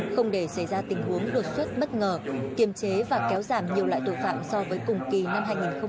không để xảy ra tình huống đột xuất bất ngờ kiềm chế và kéo giảm nhiều loại tù phạm so với cùng kỳ năm hai nghìn một mươi bốn